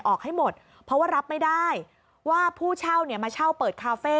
ออกให้หมดเพราะว่ารับไม่ได้ว่าผู้เช่าเนี่ยมาเช่าเปิดคาเฟ่